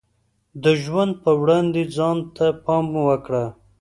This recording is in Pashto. د ژوند په وړاندې ځان ته پام وکړه.